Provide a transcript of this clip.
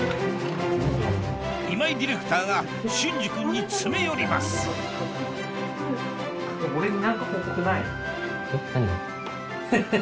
今井ディレクターが隼司君に詰め寄りますヘヘヘ。